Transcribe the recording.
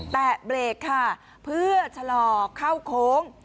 เบรกค่ะเพื่อชะลอเข้าโค้ง